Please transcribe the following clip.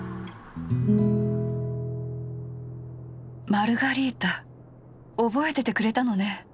マルガリータ覚えててくれたのネ。